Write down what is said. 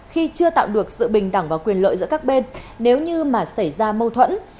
khi chưa tạo được sự bình đẳng và quyền lợi giữa các bên nếu như mà xảy ra mâu thuẫn